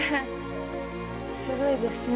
すごいですね。